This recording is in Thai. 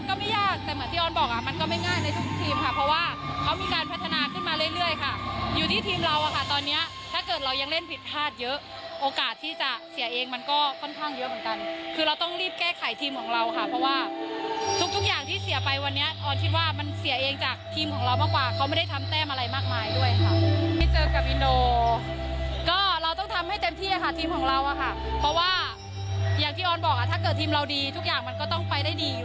ก็เราต้องทำให้เต็มที่อะค่ะทีมของเราอะค่ะเพราะว่าอย่างที่ออนบอกถ้าเกิดทีมเราดีทุกอย่างมันก็ต้องไปได้ดีอยู่แล้วค่ะ